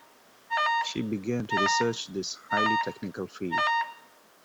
She began to research this highly technical field.